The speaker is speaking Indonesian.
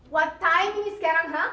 what time ini sekarang ha